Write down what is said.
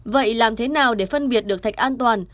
vậy làm thế nào để phân biệt được thạch an toàn